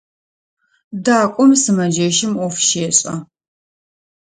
Дакӏом сымэджэщым ӏоф щешӏэ.